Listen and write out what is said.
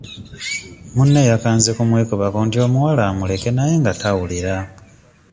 Munne yakanze kumwekubako nti omuwala amuleke naye nga tawulira.